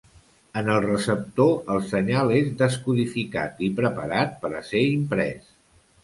En el receptor el senyal és descodificat i preparat per a ser imprès.